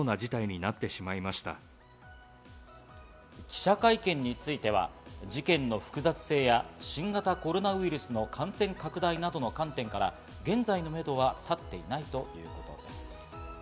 記者会見については、事件の複雑性や、新型コロナウイルスの感染拡大などの観点から、現在、めどは立っていないということです。